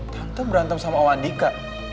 tante berantem sama om andika